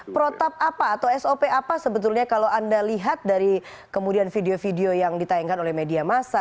protap apa atau sop apa sebetulnya kalau anda lihat dari kemudian video video yang ditayangkan oleh media masa